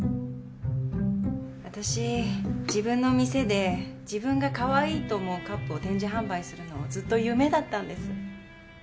私自分の店で自分がかわいいと思うカップを展示販売するのがずっと夢だったんです。